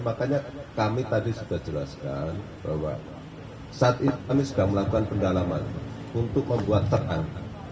makanya kami tadi sudah jelaskan bahwa saat ini kami sedang melakukan pendalaman untuk membuat terang